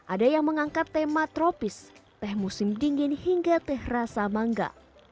ada yang mengangkat tema tropis teh musim dingin hingga teh rasa mangga